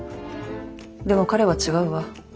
でも彼は違うわ。